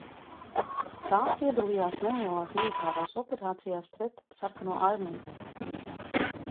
Tā piedalījās nelielās militārās operācijās pret Sarkano armiju.